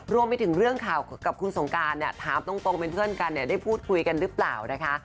รวมไปถึงเรื่องข่าวกับคุณสงการเนี่ยถามตรงเป็นเพื่อนกันเนี่ยได้พูดคุยกันหรือเปล่านะคะ